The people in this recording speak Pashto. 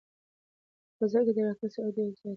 په فضا کې د راکټ سرعت ډېر زیات وي.